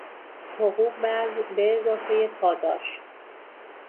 حقوق به اضافهی پاداش